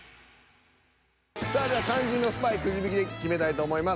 さあでは肝心のスパイくじ引きで決めたいと思います。